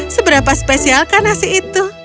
seberapa spesial kan nasi itu